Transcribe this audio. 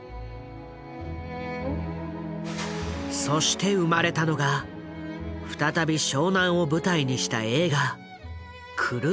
そして生まれたのが再び湘南を舞台にした映画「狂った果実」。